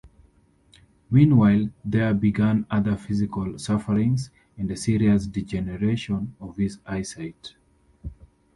Meanwhile there began other physical sufferings and a serious degeneration of his eyesight.